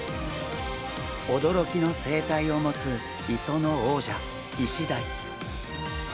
おどろきの生態を持つ磯の王者イシダイ。